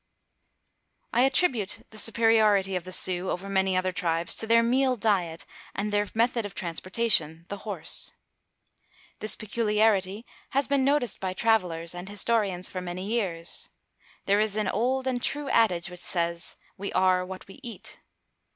I attribute the superiority of the Sioux over many other tribes to their meat diet and their method of transportation the horse. This peculiarity has been noticed by travellers and historians for many years. There is an old and true adage which says, "We are what we eat."